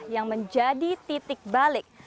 yang menjadi titik balik